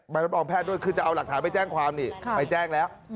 ใบรับรองแพทย์ด้วยคือจะเอาหลักฐานไปแจ้งความนี่ไปแจ้งแล้ว